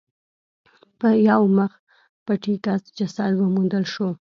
یو مخ پټي کس جسد وموندل شو.